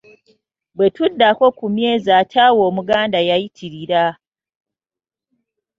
Bwe tuddako ku myezi ate awo Omuganda yayitirira!